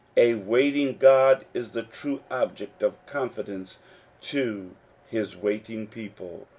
A waiting God is the true object of confidence to his waiting people.